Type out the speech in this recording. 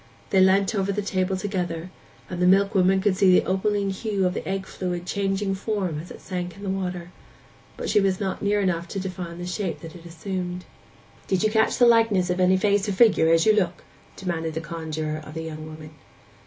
They leant over the table together, and the milkwoman could see the opaline hue of the egg fluid changing form as it sank in the water, but she was not near enough to define the shape that it assumed. 'Do you catch the likeness of any face or figure as you look?' demanded the conjuror of the young woman.